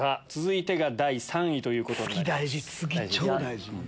続いてが第３位ということになります。